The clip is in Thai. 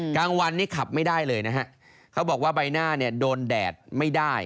กลางวันนี้ขับไม่ได้เลยนะฮะเขาบอกว่าใบหน้าเนี่ยโดนแดดไม่ได้